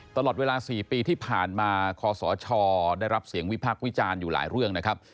ตลอดเวลา๔ปีที่ผ่านมาคอสชได้รับเสียงวิพักษ์วิจารณ์อยู่หลายเรื่องนะครับ